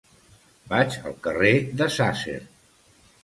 Vaig al carrer de Sàsser.